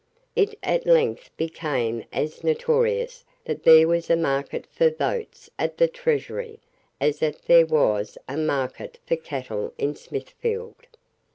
It at length became as notorious that there was a market for votes at the Treasury as that there was a market for cattle in Smithfield.